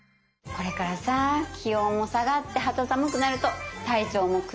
これからさ気温も下がって肌寒くなると体調も崩れがちになるよね。